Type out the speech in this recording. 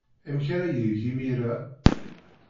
Amek ara yeg imir-a?